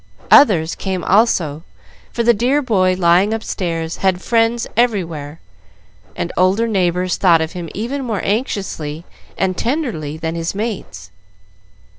Others came also, for the dear boy lying upstairs had friends everywhere, and older neighbors thought of him even more anxiously and tenderly than his mates.